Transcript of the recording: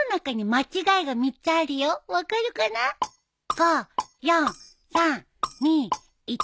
５４３２１。